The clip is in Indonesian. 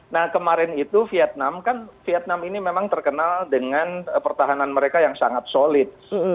nah kemarin itu vietnam kan vietnam ini memang terkenal dengan pertahanan mereka yang sangat solid